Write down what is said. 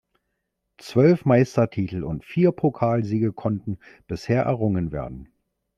Zwölf Meistertitel und vier Pokalsiege konnten bisher errungen werden.